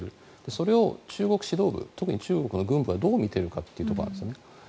それを中国指導部特に中国の軍部はどう見ているかというところなんですね。